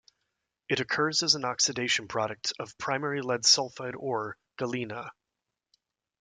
It occurs as an oxidation product of primary lead sulfide ore, galena.